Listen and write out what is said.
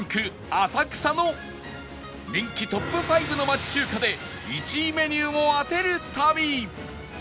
浅草の人気トップ５の町中華で１位メニューを当てる旅